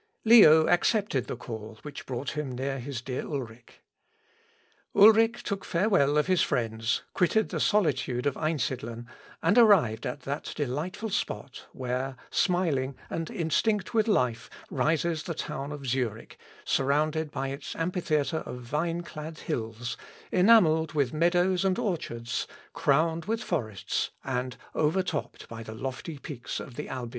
Leo accepted the call which brought him near his dear Ulric. Ulric took farewell of his friends, quitted the solitude of Einsidlen, and arrived at that delightful spot where, smiling and instinct with life, rises the town of Zurich, surrounded by its amphitheatre of vine clad hills, enamelled with meadows and orchards, crowned with forests, and overtopped by the lofty peaks of the Albis.